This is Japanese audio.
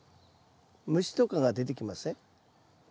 虫とかが出てきません？